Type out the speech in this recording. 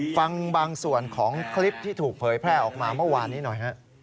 ฟังบางส่วนของคลิปที่ถูกเผยแพร่ออกมาเมื่อวานนี้หน่อยฮะ